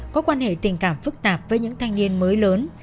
có quan hệ tình cảm phức tạp với những thanh niên mới lớn